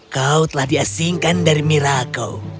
kau telah diasingkan dari mirako